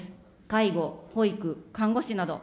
介護、保育、看護師など。